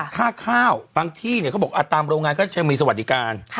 ค่าข้าวบางที่เนี่ยเขาบอกตามโรงงานก็จะมีสวัสดิการ